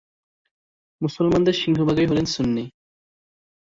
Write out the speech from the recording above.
মুসলমানদের সিংহভাগই হলেন সুন্নি।